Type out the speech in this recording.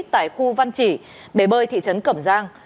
tại khu văn chỉ để bơi thị trấn cầm giang